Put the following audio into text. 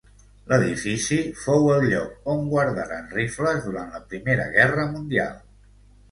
L'edifici fou el lloc on guardaren rifles durant la Primera Guerra Mundial.